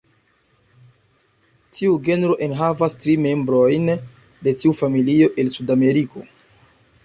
Tiu genro enhavas tri membrojn de tiu familio el Sudameriko.